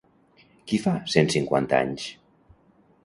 Qui fa cent cinquanta anys?